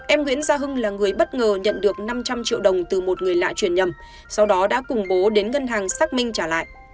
em nguyễn gia hưng là người bất ngờ nhận được năm trăm linh triệu đồng từ một người lạ chuyển nhầm sau đó đã cùng bố đến ngân hàng xác minh trả lại